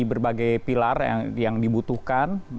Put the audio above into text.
berbagai pilar yang dibutuhkan